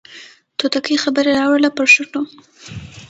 توتکۍ خبره راوړله پر شونډو